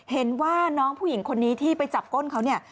เห็นว่าน้องผู้หญิงคนนี้ที่ไปจับก้นเขาเนี่ย